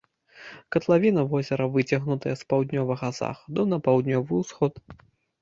Катлавіна возера выцягнутая з паўднёвага захаду на паўднёвы ўсход.